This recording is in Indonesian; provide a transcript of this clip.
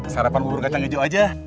sarapan buruknya cang ijo aja